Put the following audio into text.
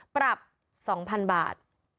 ปรับ๒๐๐๐บาท